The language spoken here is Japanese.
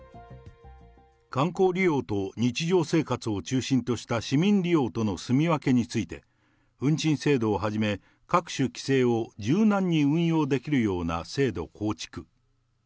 観光利用と日常生活を中心とした市民利用とのすみ分けについて、運賃制度をはじめ、各種規制を柔軟に運用できるような制度構築。